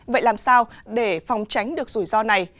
vậy làm sao để phòng tránh được rủi ro này